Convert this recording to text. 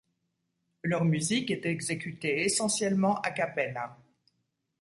Leur musique est exécutée essentiellement a cappella.